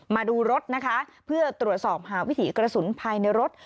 มาดูรถนะคะเพื่อตรวจสอบหาวิถีกระสุนภายในรถ